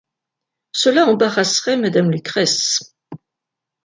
Cela embarrasserait Madame Lucrèce.